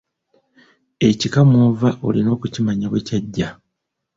Ekika mw’ova olina okumanya bwe kyajja.